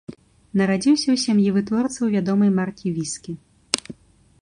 Нарадзіўся ў сям'і вытворцаў вядомай маркі віскі.